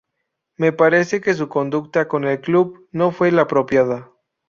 Me parece que su conducta con el club no fue la apropiada.